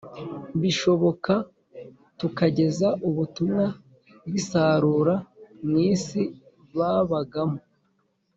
Bishoboka, tukageza ubutumwa bw’isarura mu isi babagamo